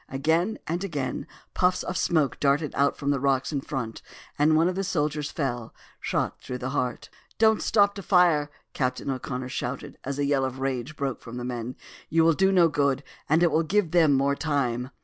Again and again puffs of smoke darted out from the rocks in front; and one of the soldiers fell, shot through the heart. "Don't stop to fire!" Captain O'Connor shouted as a yell of rage broke from the men; "you will do no good, and it will only give them more time."